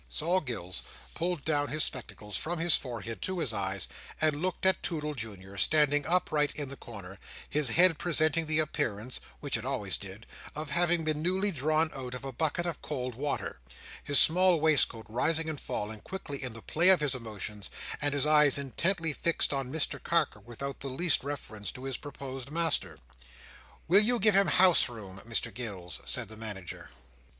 Sol Gills pulled down his spectacles from his forehead to his eyes, and looked at Toodle Junior standing upright in the corner: his head presenting the appearance (which it always did) of having been newly drawn out of a bucket of cold water; his small waistcoat rising and falling quickly in the play of his emotions; and his eyes intently fixed on Mr Carker, without the least reference to his proposed master. "Will you give him house room, Mr Gills?" said the Manager.